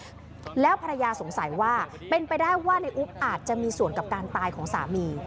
แล้วภรรยาสงสัยว่าเป็นไปได้ว่าในอุ๊บอาจจะมีส่วนกับการตายของสามี